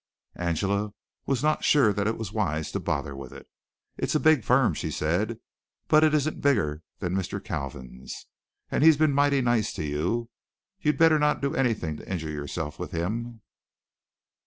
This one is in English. Angela was not sure that it was wise to bother with it. "It's a big firm," she said, "but it isn't bigger than Mr. Kalvin's, and he's been mighty nice to you. You'd better not do anything to injure yourself with him."